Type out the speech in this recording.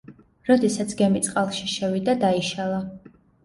როდესაც გემი წყალში შევიდა, დაიშალა.